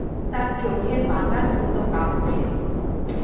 তার চোখের পাতা দ্রুত কাঁপছে।